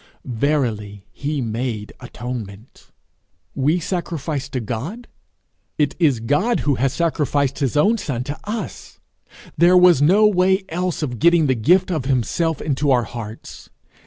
Verily, he made atonement! We sacrifice to God! it is God who has sacrificed his own son to us; there was no way else of getting the gift of himself into our hearts.